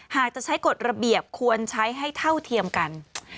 หากจะใช้กฎระเบียบควรใช้ให้เท่าเทียมกัน